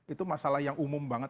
itu masalah yang umum banget